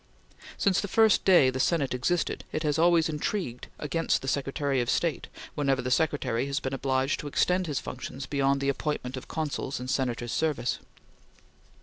Since the first day the Senate existed, it has always intrigued against the Secretary of State whenever the Secretary has been obliged to extend his functions beyond the appointment of Consuls in Senators' service.